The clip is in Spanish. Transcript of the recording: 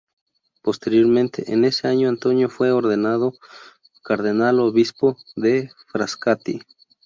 Posteriormente ese año Antonio fue ordenado Cardenal-Obispo de Frascati.